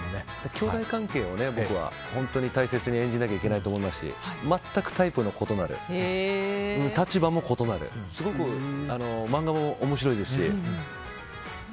兄弟関係を僕は本当に大切に演じなきゃいけないと思いますし全くタイプの異なる立場も異なるすごく漫画も面白いですし。